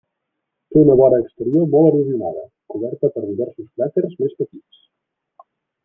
Té una vora exterior molt erosionada, coberta per diversos cràters més petits.